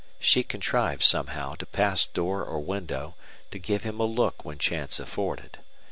She contrived somehow to pass door or window, to give him a look when chance afforded.